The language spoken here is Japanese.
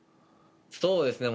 そうですね。